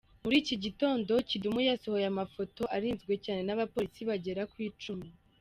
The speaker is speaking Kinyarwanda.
Muri iki gitondo Kidum yasohoye amafoto arinzwe cyane n’abapolisi bagera ku icumi.